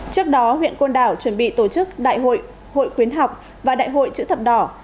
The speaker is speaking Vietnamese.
trước đó huyện quân đảo chuẩn bị tổ chức đại hội khuyến học và đại hội chữ thập đỏ